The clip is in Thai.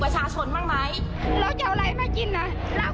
โปสเตอร์โหมโตรงของทางพักเพื่อไทยก่อนนะครับ